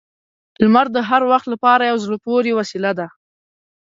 • لمر د هر وخت لپاره یو زړه پورې وسیله ده.